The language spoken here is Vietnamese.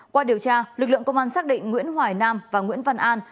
qua điều tra lực lượng công an xác định nguyễn hoài nam và nguyễn văn an